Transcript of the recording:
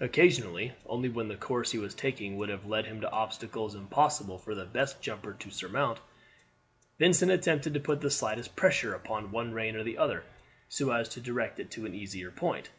Occasionally, only when the course he was taking would have led him to obstacles impossible for the best jumper to surmount, Vincent attempted to put the slightest pressure upon one rein or the other, so as to direct it to an easier point.